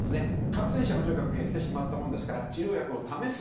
感染者がとにかく減ってしまったもんですから治療薬を試す。